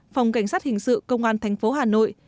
phòng cảnh sát hình sự công an thành phố hà nội